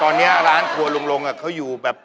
ตอนนี้ร้านครัวลุงลงเขาอยู่แบบ